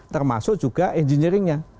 termasuk juga engineeringnya